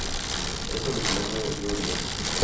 Es originaria de Georgia.